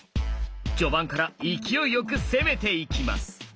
序盤から勢いよく攻めていきます！